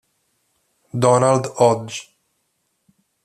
Donald Hodge